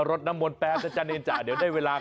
รถน้ำมนต์อย่างเงียดเจ้า